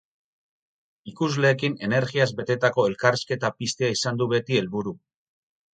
Ikusleekin energiaz betetako elkarrizketa piztea izan du beti helburu.